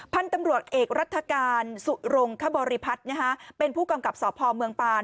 พันธุ์ตำรวจเอกรัฐกาลสุรงคบริพัฒน์เป็นผู้กำกับสพเมืองปาน